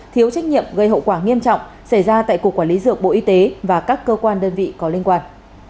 thiếu trách nhiệm gây hậu quả nghiêm trọng xảy ra tại cục quản lý dược bộ y tế và các cơ quan đơn vị có liên quan